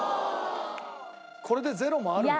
これで０もあるんだ。